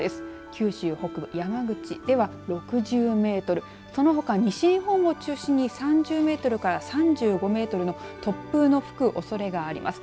九州北部、山口では６０メートル、そのほか西日本を中心に３０メートルから３５メートルの突風の吹くおそれがあります。